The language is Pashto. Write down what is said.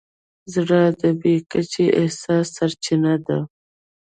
زړه د بې کچې احساس سرچینه ده.